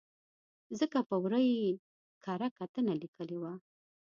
ځکه په ور ه یې کره کتنه لیکلې وه.